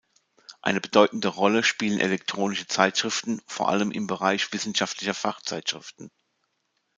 Eine bedeutende Rolle spielen elektronische Zeitschriften vor allem im Bereich wissenschaftlicher Fachzeitschriften.